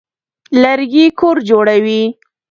لرګي کور جوړوي.